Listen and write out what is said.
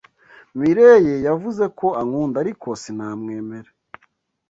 Mirelle yavuze ko ankunda, ariko sinamwemera.